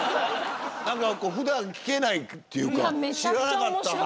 何かふだん聞けないっていうか知らなかった話。